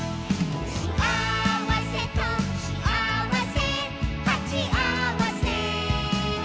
「しあわせとしあわせはちあわせ」